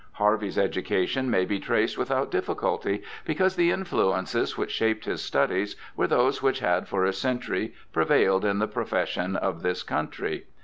Harvey's education may be traced without difficulty, because the influences which shaped his studies were those which had for a century prevailed in the profession of this country.